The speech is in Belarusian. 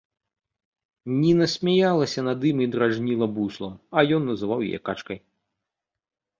Ніна смяялася над ім і дражніла буслам, а ён называў яе качкай.